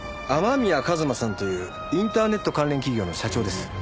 雨宮一馬さんというインターネット関連企業の社長です。